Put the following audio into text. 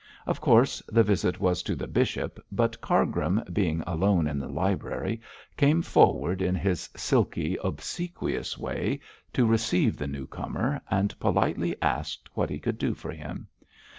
Of course, the visit was to the bishop, but Cargrim, being alone in the library, came forward in his silky, obsequious way to receive the new comer, and politely asked what he could do for him.